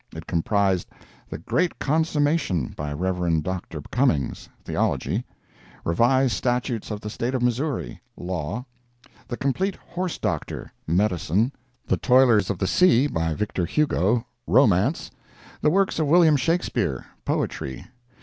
It comprised "The Great Consummation," by Rev. Dr. Cummings—theology; "Revised Statutes of the State of Missouri"—law; "The Complete Horse Doctor"—medicine; "The Toilers of the Sea," by Victor Hugo—romance; "The Works of William Shakespeare"—poetry.